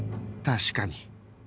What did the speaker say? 確かに